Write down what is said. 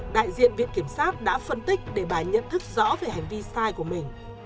đại diện viện kiểm sát đã phân tích để bà nhận thức rõ về hành vi sai của mình